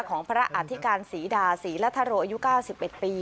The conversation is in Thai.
ของพระอาทิการศรีดาศรีลัทโรอายุเก้าสิบเอ็ดปี